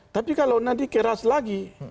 tapi kalau nanti keras lagi